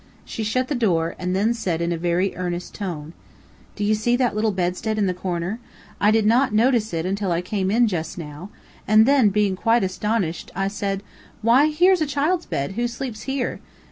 She shut the door, and then said in a very earnest tone: "Do you see that little bedstead in the corner? I did not notice it until I came in just now, and then, being quite astonished, I said, 'Why here's a child's bed; who sleeps here?'